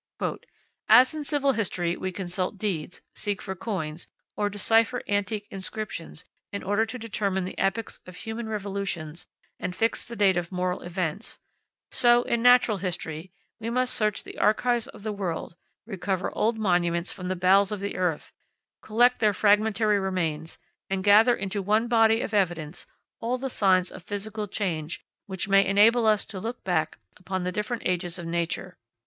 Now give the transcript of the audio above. "As in civil history we consult deeds, seek for coins, or decipher antique inscriptions in order to determine the epochs of human revolutions and fix the date of moral events; so, in natural history, we must search the archives of the world, recover old monuments from the bowels of the earth, collect their fragmentary remains, and gather into one body of evidence all the signs of physical change which may enable us to look back upon the different ages of nature.